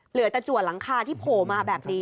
เหลือแต่จัวหลังคาที่โผล่มาแบบนี้